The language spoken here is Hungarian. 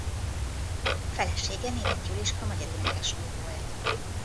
Felesége Németh Juliska magyar énekesnő volt.